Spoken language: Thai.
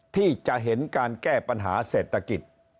ที่จะเห็นการแก้ปัญหาเศรษฐกิจ